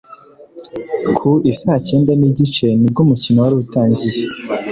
Ku I Saa Cyaenda n’igice nibwo umukino wari utangiye